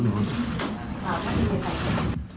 หมดล็อกการทำงาน